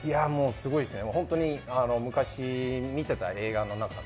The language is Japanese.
すごいですね。